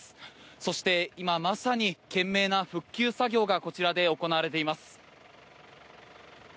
そして、今まさに懸命な復旧作業がこちらで行われています。